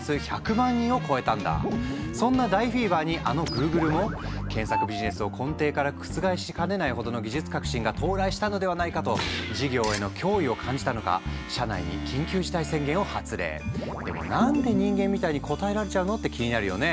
そんな大フィーバーにあのＧｏｏｇｌｅも「検索ビジネスを根底から覆しかねないほどの技術革新が到来したのではないか」と事業への脅威を感じたのかでもなんで人間みたいに答えられちゃうの？って気になるよね。